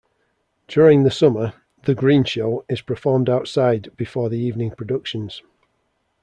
During the summer The Greenshow is performed outside before the evening productions.